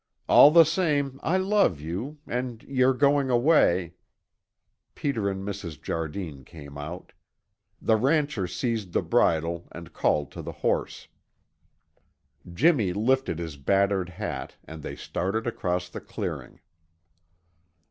"All the same, I love you, and you're going away " Peter and Mrs. Jardine came out. The rancher seized the bridle and called to the horse. Jimmy lifted his battered hat and they started across the clearing.